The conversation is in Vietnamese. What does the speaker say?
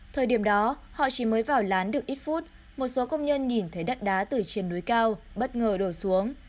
thời điểm đó họ chỉ mới vào lán được ít phút một số công nhân nhìn thấy đất đá từ trên núi cao bất ngờ đổ xuống